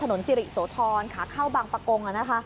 ถนนสิริโสธรขาเข้าบางประกง